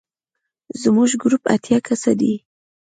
زموږ ګروپ اتیا کسه دی.